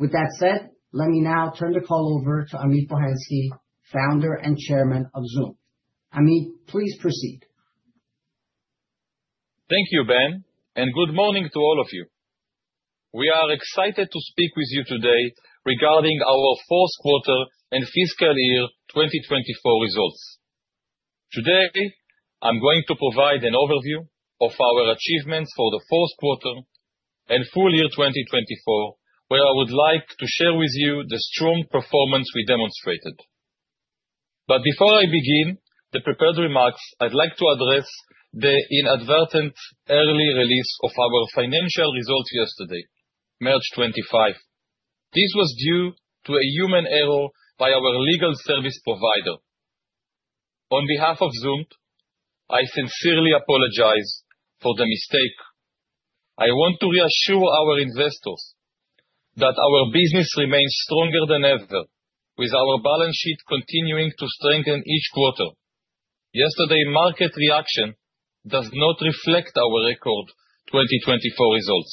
With that said, let me now turn the call over to Amit Bohensky, founder and chairman of Zoomd. Amit, please proceed. Thank you, Ben, and good morning to all of you. We are excited to speak with you today regarding our fourth quarter and fiscal year 2024 results. Today, I'm going to provide an overview of our achievements for the fourth quarter and full year 2024, where I would like to share with you the strong performance we demonstrated. Before I begin the prepared remarks, I'd like to address the inadvertent early release of our financial results yesterday, March 25. This was due to a human error by our legal service provider. On behalf of Zoomd, I sincerely apologize for the mistake. I want to reassure our investors that our business remains stronger than ever, with our balance sheet continuing to strengthen each quarter. Yesterday's market reaction does not reflect our record 2024 results.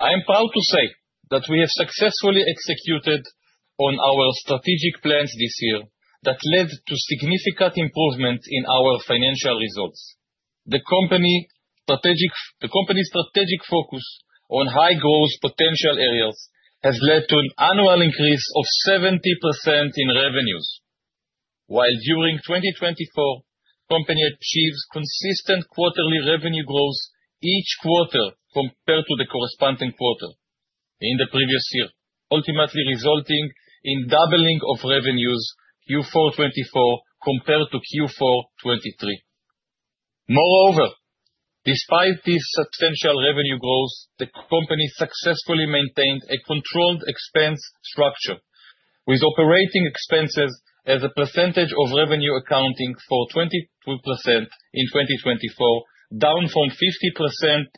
I am proud to say that we have successfully executed on our strategic plans this year that led to significant improvement in our financial results. The company's strategic focus on high-growth potential areas has led to an annual increase of 70% in revenues, while during 2024, the company achieved consistent quarterly revenue growth each quarter compared to the corresponding quarter in the previous year, ultimately resulting in doubling of revenues Q4 2024 compared to Q4 2023. Moreover, despite this substantial revenue growth, the company successfully maintained a controlled expense structure, with operating expenses as a percentage of revenue accounting for 22% in 2024, down from 50%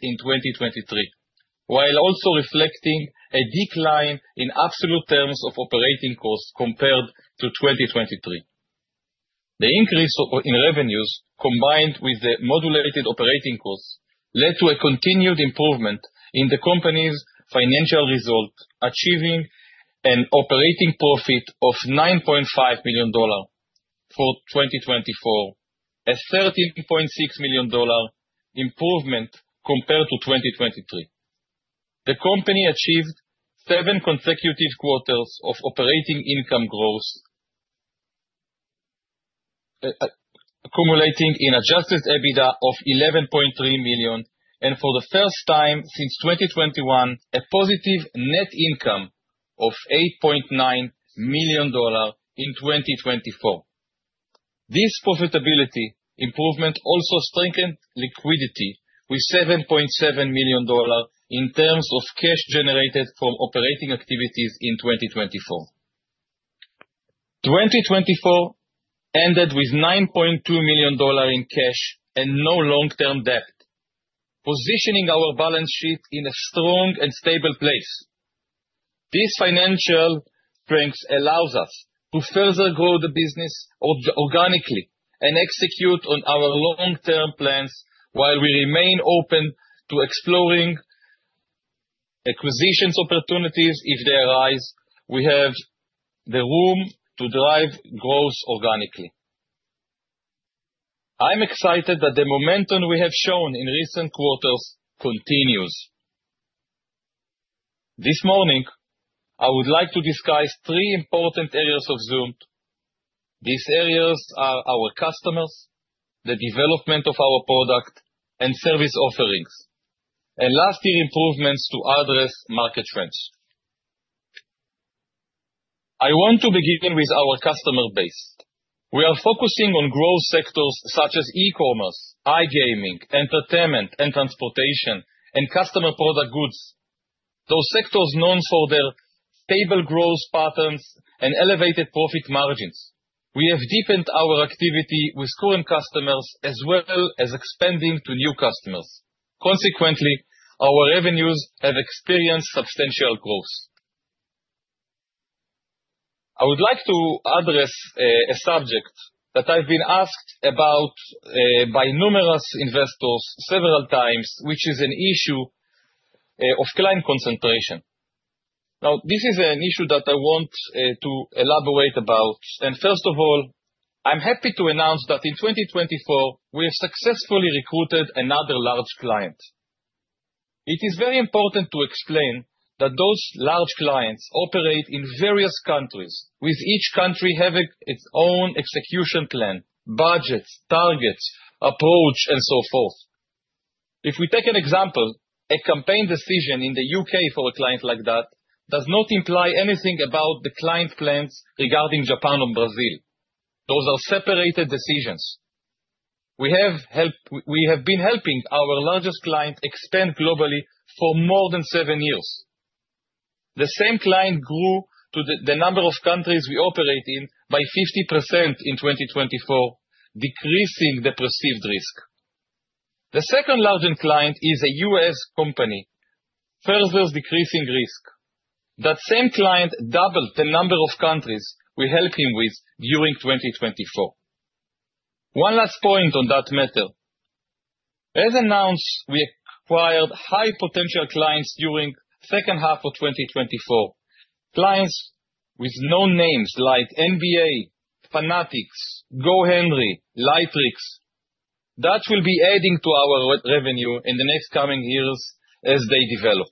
in 2023, while also reflecting a decline in absolute terms of operating costs compared to 2023. The increase in revenues, combined with the modulated operating costs, led to a continued improvement in the company's financial result, achieving an operating profit of $9.5 million for 2024, a $13.6 million improvement compared to 2023. The company achieved seven consecutive quarters of operating income growth, accumulating an adjusted EBITDA of $11.3 million, and for the first time since 2021, a positive net income of $8.9 million in 2024. This profitability improvement also strengthened liquidity with $7.7 million in terms of cash generated from operating activities in 2024. 2024 ended with $9.2 million in cash and no long-term debt, positioning our balance sheet in a strong and stable place. This financial strength allows us to further grow the business organically and execute on our long-term plans while we remain open to exploring acquisition opportunities if they arise. We have the room to drive growth organically. I'm excited that the momentum we have shown in recent quarters continues. This morning, I would like to discuss three important areas of Zoomd. These areas are our customers, the development of our product and service offerings, and last-year improvements to address market trends. I want to begin with our customer base. We are focusing on growth sectors such as e-commerce, iGaming, entertainment, and transportation, and customer product goods, those sectors known for their stable growth patterns and elevated profit margins. We have deepened our activity with current customers as well as expanding to new customers. Consequently, our revenues have experienced substantial growth. I would like to address a subject that I've been asked about by numerous investors several times, which is an issue of client concentration. Now, this is an issue that I want to elaborate about. First of all, I'm happy to announce that in 2024, we have successfully recruited another large client. It is very important to explain that those large clients operate in various countries, with each country having its own execution plan, budgets, targets, approach, and so forth. If we take an example, a campaign decision in the U.K. for a client like that does not imply anything about the client plans regarding Japan or Brazil. Those are separated decisions. We have been helping our largest client expand globally for more than seven years. The same client grew to the number of countries we operate in by 50% in 2024, decreasing the perceived risk. The second-largest client is a U.S. company, further decreasing risk. That same client doubled the number of countries we helped him with during 2024. One last point on that matter. As announced, we acquired high-potential clients during the second half of 2024, clients with known names like NBA, Fanatics, GoHenry, and Lightricks. That will be adding to our revenue in the next coming years as they develop.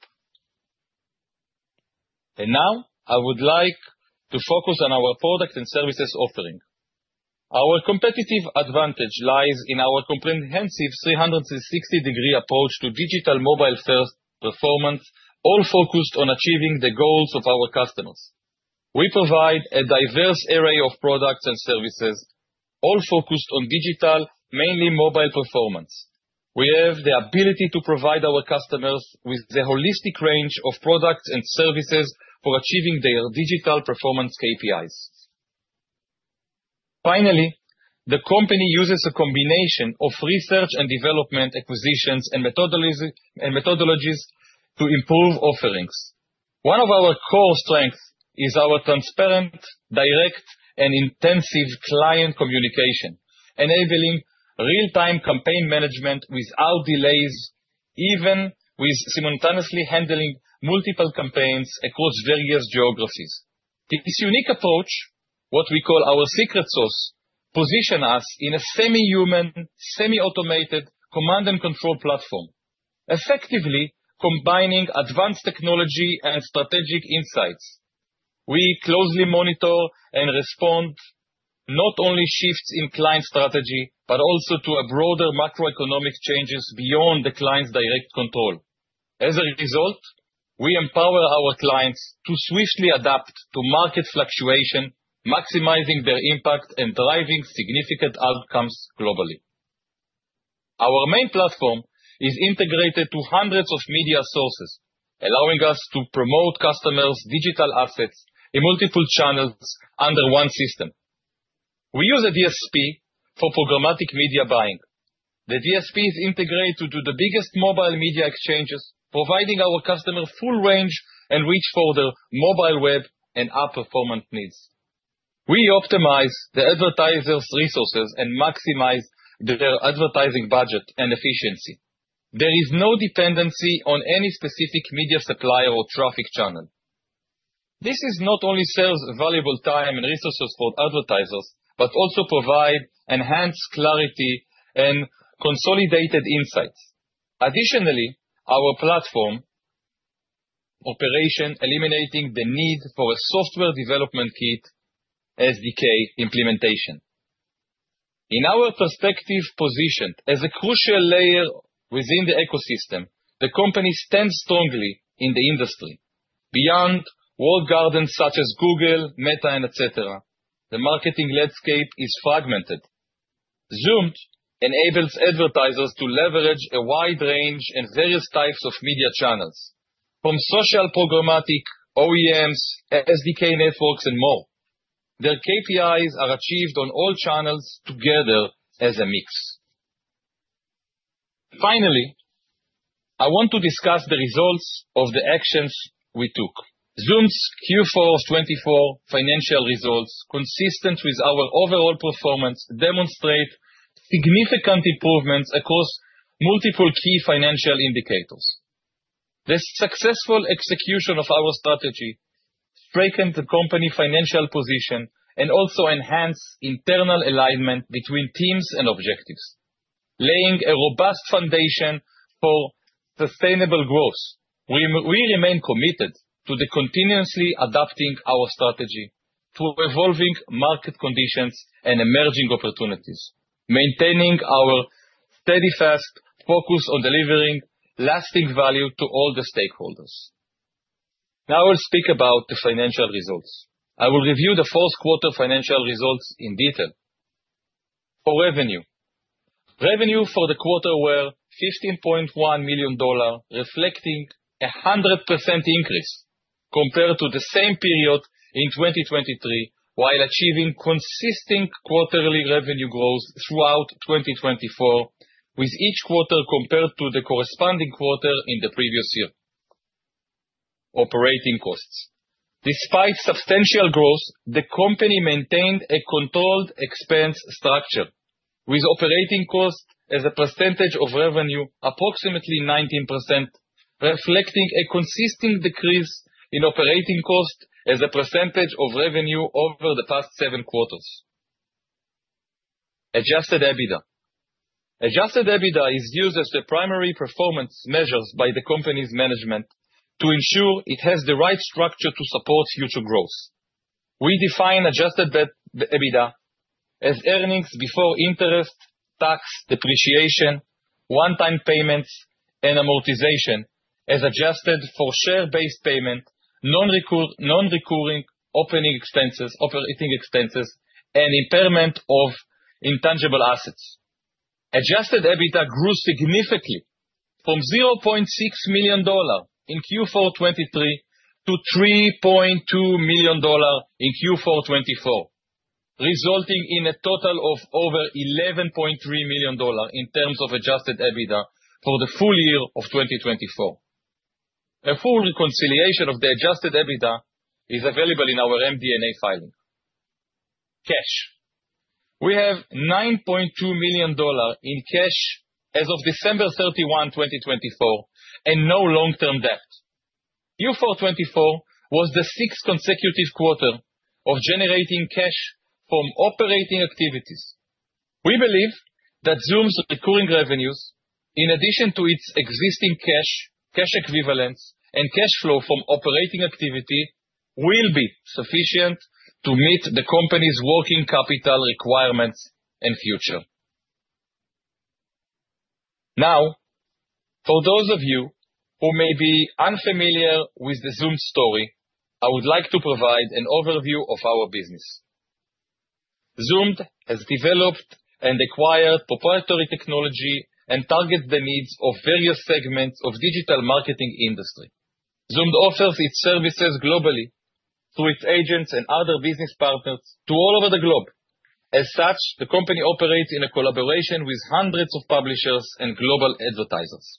I would like to focus on our product and services offering. Our competitive advantage lies in our comprehensive 360-degree approach to digital mobile-first performance, all focused on achieving the goals of our customers. We provide a diverse array of products and services, all focused on digital, mainly mobile performance. We have the ability to provide our customers with the holistic range of products and services for achieving their digital performance KPIs. Finally, the company uses a combination of research and development acquisitions and methodologies to improve offerings. One of our core strengths is our transparent, direct, and intensive client communication, enabling real-time campaign management without delays, even with simultaneously handling multiple campaigns across various geographies. This unique approach, what we call our secret sauce, positions us in a semi-human, semi-automated command-and-control platform, effectively combining advanced technology and strategic insights. We closely monitor and respond not only to shifts in client strategy but also to broader macroeconomic changes beyond the client's direct control. As a result, we empower our clients to swiftly adapt to market fluctuation, maximizing their impact and driving significant outcomes globally. Our main platform is integrated to hundreds of media sources, allowing us to promote customers' digital assets in multiple channels under one system. We use a DSP for programmatic media buying. The DSP is integrated to the biggest mobile media exchanges, providing our customers full range and reach for their mobile web and app performance needs. We optimize the advertisers' resources and maximize their advertising budget and efficiency. There is no dependency on any specific media supplier or traffic channel. This not only saves valuable time and resources for advertisers but also provides enhanced clarity and consolidated insights. Additionally, our platform operates eliminating the need for a software development kit, SDK, implementation. In our perspective, positioned as a crucial layer within the ecosystem, the company stands strongly in the industry. Beyond walled gardens such as Google, Meta, and etc., the marketing landscape is fragmented. Zoomd enables advertisers to leverage a wide range and various types of media channels, from social, programmatic, OEMs, SDK networks, and more. Their KPIs are achieved on all channels together as a mix. Finally, I want to discuss the results of the actions we took. Zoomd's Q4 2024 financial results, consistent with our overall performance, demonstrate significant improvements across multiple key financial indicators. The successful execution of our strategy strengthened the company's financial position and also enhanced internal alignment between teams and objectives, laying a robust foundation for sustainable growth. We remain committed to continuously adapting our strategy to evolving market conditions and emerging opportunities, maintaining our steady, fast focus on delivering lasting value to all the stakeholders. Now, I will speak about the financial results. I will review the fourth quarter financial results in detail. For revenue, revenue for the quarter was $15.1 million, reflecting a 100% increase compared to the same period in 2023, while achieving consistent quarterly revenue growth throughout 2024, with each quarter compared to the corresponding quarter in the previous year. Operating costs: despite substantial growth, the company maintained a controlled expense structure, with operating costs as a percentage of revenue, approximately 19%, reflecting a consistent decrease in operating costs as a percentage of revenue over the past seven quarters. Adjusted EBITDA: adjusted EBITDA is used as the primary performance measure by the company's management to ensure it has the right structure to support future growth. We define adjusted EBITDA as earnings before interest, tax, depreciation, one-time payments, and amortization as adjusted for share-based payment, non-recurring opening expenses, operating expenses, and impairment of intangible assets. Adjusted EBITDA grew significantly from $0.6 million in Q4 2023 to $3.2 million in Q4 2024, resulting in a total of over $11.3 million in terms of adjusted EBITDA for the full year of 2024. A full reconciliation of the adjusted EBITDA is available in our MD&A filing. Cash: we have $9.2 million in cash as of December 31, 2024, and no long-term debt. Q4 2024 was the sixth consecutive quarter of generating cash from operating activities. We believe that Zoomd's recurring revenues, in addition to its existing cash, cash equivalents, and cash flow from operating activity, will be sufficient to meet the company's working capital requirements and future. Now, for those of you who may be unfamiliar with the Zoomd story, I would like to provide an overview of our business. Zoomd has developed and acquired proprietary technology and targets the needs of various segments of the digital marketing industry. Zoomd offers its services globally through its agents and other business partners all over the globe. As such, the company operates in collaboration with hundreds of publishers and global advertisers.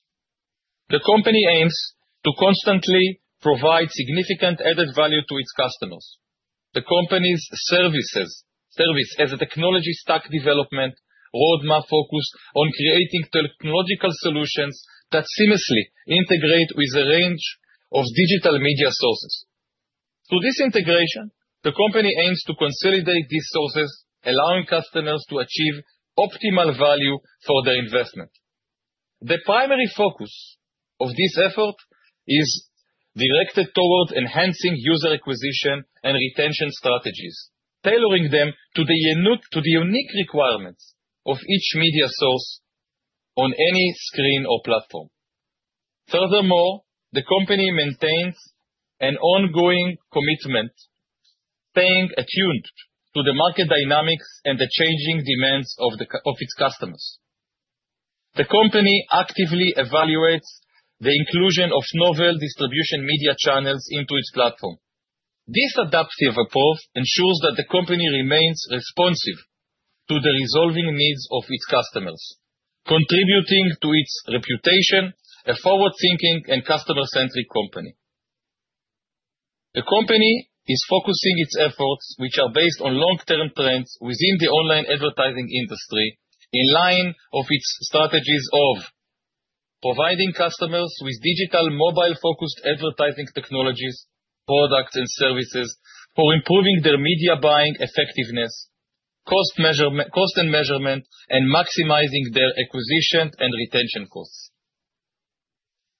The company aims to constantly provide significant added value to its customers. The company's services serve as a technology stack development roadmap focused on creating technological solutions that seamlessly integrate with a range of digital media sources. Through this integration, the company aims to consolidate these sources, allowing customers to achieve optimal value for their investment. The primary focus of this effort is directed towards enhancing user acquisition and retention strategies, tailoring them to the unique requirements of each media source on any screen or platform. Furthermore, the company maintains an ongoing commitment, staying attuned to the market dynamics and the changing demands of its customers. The company actively evaluates the inclusion of novel distribution media channels into its platform. This adaptive approach ensures that the company remains responsive to the resolving needs of its customers, contributing to its reputation as a forward-thinking and customer-centric company. The company is focusing its efforts, which are based on long-term trends within the online advertising industry, in line with its strategies of providing customers with digital mobile-focused advertising technologies, products, and services for improving their media buying effectiveness, cost and measurement, and maximizing their acquisition and retention costs,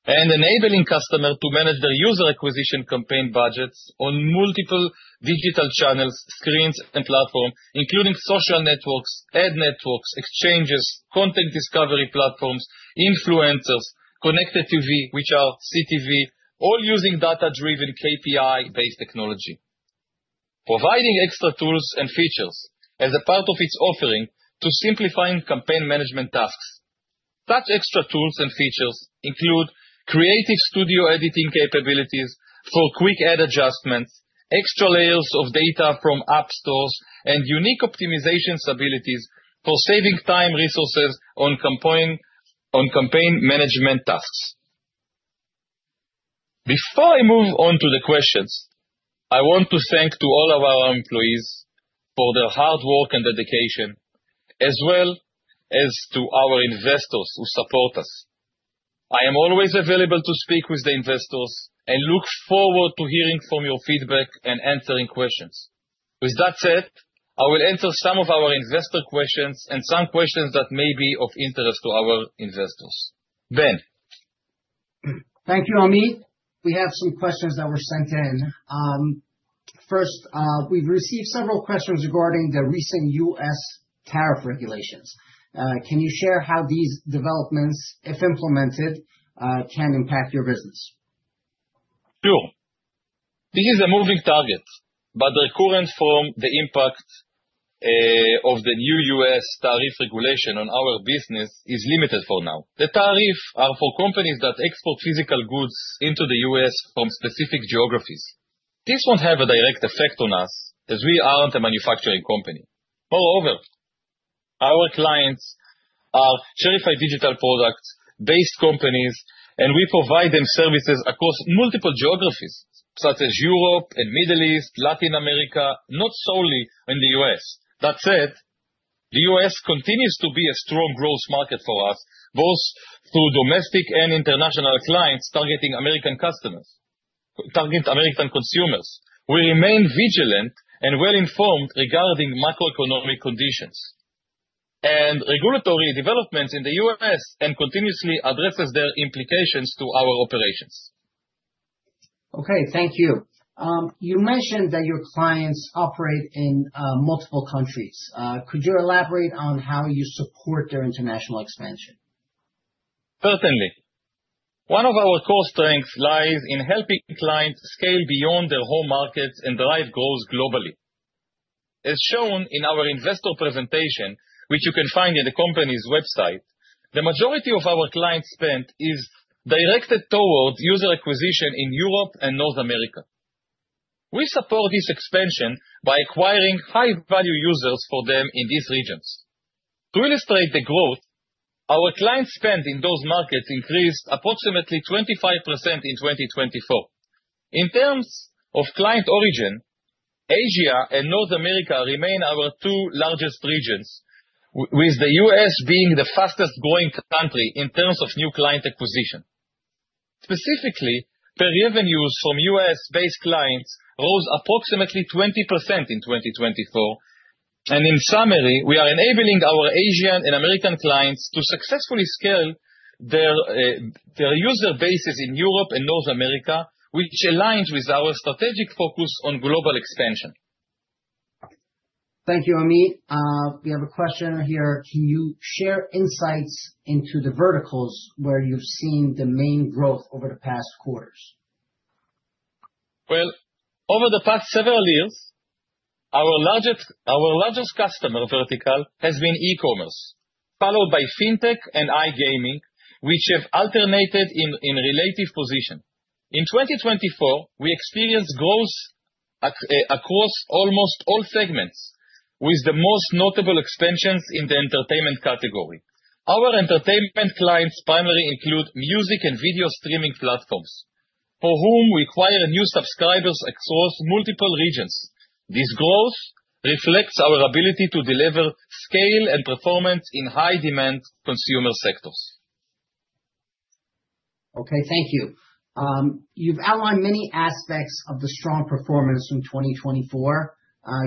and enabling customers to manage their user acquisition campaign budgets on multiple digital channels, screens, and platforms, including social networks, ad networks, exchanges, content discovery platforms, influencers, connected TV, which are CTV, all using data-driven KPI-based technology, providing extra tools and features as a part of its offering to simplify campaign management tasks. Such extra tools and features include creative studio editing capabilities for quick ad adjustments, extra layers of data from app stores, and unique optimization abilities for saving time and resources on campaign management tasks. Before I move on to the questions, I want to thank all of our employees for their hard work and dedication, as well as to our investors who support us. I am always available to speak with the investors and look forward to hearing from your feedback and answering questions. With that said, I will answer some of our investor questions and some questions that may be of interest to our investors. Ben. Thank you, Amit. We have some questions that were sent in. First, we've received several questions regarding the recent U.S. tariff regulations. Can you share how these developments, if implemented, can impact your business? Sure. This is a moving target, but the recurrence from the impact of the new U.S. tariff regulation on our business is limited for now. The tariffs are for companies that export physical goods into the U.S. from specific geographies. This won't have a direct effect on us as we aren't a manufacturing company. Moreover, our clients are certified digital product-based companies, and we provide them services across multiple geographies such as Europe and the Middle East, Latin America, not solely in the U.S. That said, the U.S. continues to be a strong growth market for us, both through domestic and international clients targeting American customers, targeting American consumers. We remain vigilant and well-informed regarding macroeconomic conditions and regulatory developments in the U.S. and continuously address their implications to our operations. Okay. Thank you. You mentioned that your clients operate in multiple countries. Could you elaborate on how you support their international expansion? Certainly. One of our core strengths lies in helping clients scale beyond their home markets and drive growth globally. As shown in our investor presentation, which you can find on the company's website, the majority of our clients' spend is directed towards user acquisition in Europe and North America. We support this expansion by acquiring high-value users for them in these regions. To illustrate the growth, our clients' spend in those markets increased approximately 25% in 2024. In terms of client origin, Asia and North America remain our two largest regions, with the U.S. being the fastest-growing country in terms of new client acquisition. Specifically, per revenues from U.S.-based clients rose approximately 20% in 2024. In summary, we are enabling our Asian and American clients to successfully scale their user bases in Europe and North America, which aligns with our strategic focus on global expansion. Thank you, Amit. We have a question here. Can you share insights into the verticals where you've seen the main growth over the past quarters? Over the past several years, our largest customer vertical has been e-commerce, followed by fintech and iGaming, which have alternated in relative position. In 2024, we experienced growth across almost all segments, with the most notable expansions in the entertainment category. Our entertainment clients primarily include music and video streaming platforms, for whom we acquire new subscribers across multiple regions. This growth reflects our ability to deliver scale and performance in high-demand consumer sectors. Okay. Thank you. You've outlined many aspects of the strong performance in 2024.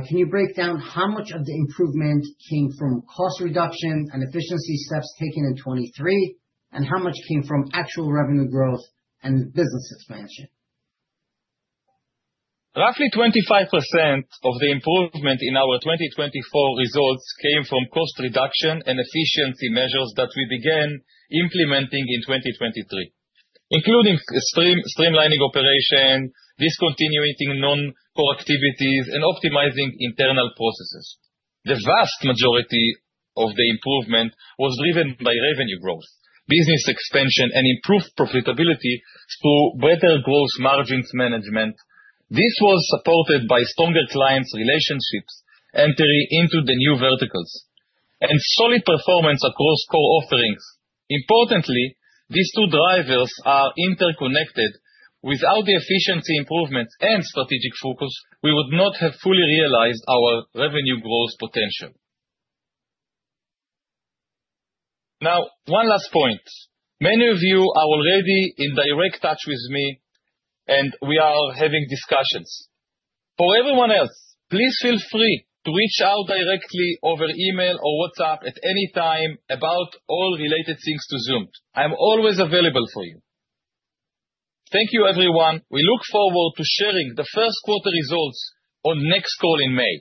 Can you break down how much of the improvement came from cost reduction and efficiency steps taken in 2023, and how much came from actual revenue growth and business expansion? Roughly 25% of the improvement in our 2024 results came from cost reduction and efficiency measures that we began implementing in 2023, including streamlining operations, discontinuing non-core activities, and optimizing internal processes. The vast majority of the improvement was driven by revenue growth, business expansion, and improved profitability through better gross margins management. This was supported by stronger client relationships, entry into the new verticals, and solid performance across core offerings. Importantly, these two drivers are interconnected. Without the efficiency improvements and strategic focus, we would not have fully realized our revenue growth potential. Now, one last point. Many of you are already in direct touch with me, and we are having discussions. For everyone else, please feel free to reach out directly over email or WhatsApp at any time about all related things to Zoomd. I'm always available for you. Thank you, everyone. We look forward to sharing the first quarter results on the next call in May.